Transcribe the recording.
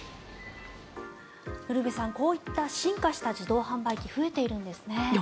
ウルヴェさんこういった進化した自動販売機増えているんですね。